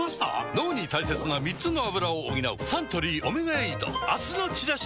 脳に大切な３つのアブラを補うサントリー「オメガエイド」明日のチラシで